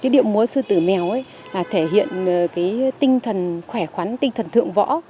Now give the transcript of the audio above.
điệu múa sư tử mèo thể hiện tinh thần khỏe khoắn tinh thần thượng võ